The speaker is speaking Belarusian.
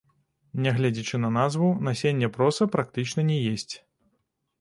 Нягледзячы на назву, насенне проса практычна не есць.